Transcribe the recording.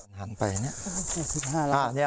หันไปเนี่ย